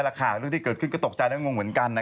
เรื่องที่เกิดขึ้นก็ตกใจและงงเหมือนกัน